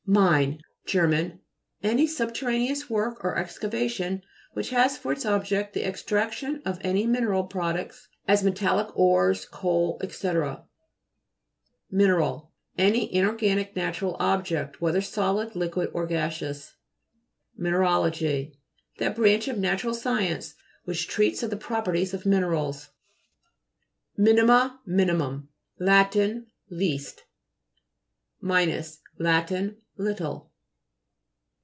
MINE Ger. Any subterraneous work or excavation which has for its ob ject the extraction of any mineral products, as metallic ores, coal, &c. MINERAL Any inorganic natural object, whether solid, liquid or gas eous. MINERALOGY That branch of na tural science which treats of the properties of minerals. MINIMA } r i T MI'NIMUM $ Lat ' Least ' MINUS Lat. Little.